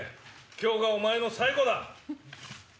今日がお前の最期だ。